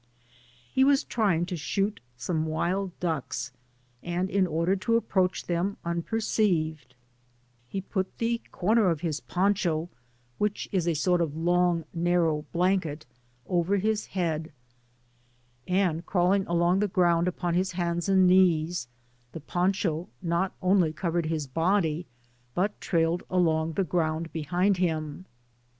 He was trying to shoot some wild ducks, and, in order to approach them unperceived, he put the comer of his poncho (which is a sort of long narrow blanket) over his head, and crawling along the ground upon his hands and knees, the poncho not only covered his body, but trailed along the ground behind him.